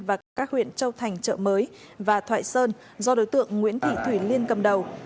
và cả các huyện châu thành chợ mới và thoại sơn do đối tượng nguyễn thị thủy liên cầm đầu